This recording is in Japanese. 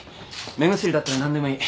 目薬だったら何でもいい。